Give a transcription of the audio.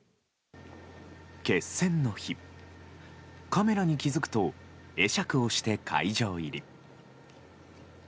決戦の日、カメラに気づくと会釈をして会場入り。